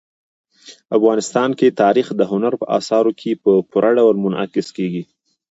افغانستان کې تاریخ د هنر په اثارو کې په پوره ډول منعکس کېږي.